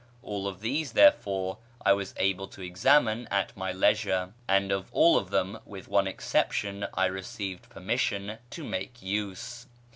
All of these, therefore, I was able to examine at my leisure; and of all of them, with one exception, I received permission to make use.